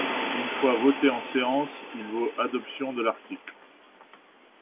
Une fois voté en séance, il vaut adoption de l’article.